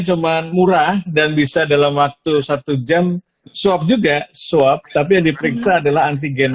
cuman murah dan bisa dalam waktu satu jam swab juga swab tapi yang diperiksa adalah antigen